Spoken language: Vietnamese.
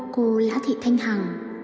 cô lá thị thanh hằng